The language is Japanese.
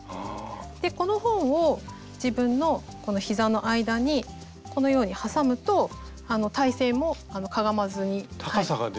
でこの本を自分の膝の間にこのように挟むと体勢もかがまずに。